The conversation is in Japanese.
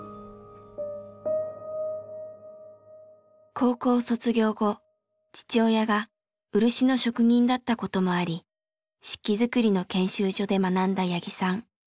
高校卒業後父親が漆の職人だったこともあり漆器作りの研修所で学んだ八木さん。